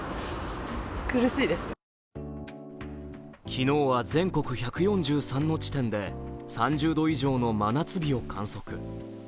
昨日は全国１４３の地点で３０度以上の真夏日を観測。